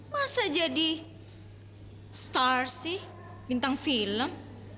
masa jadi star sih bintang film